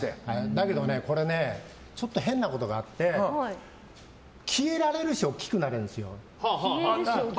ちょっと変なことがあって消えられるし大きくなれるんですよ。